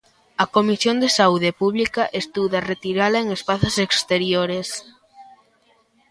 A comisión de saúde pública estuda retirala en espazos exteriores.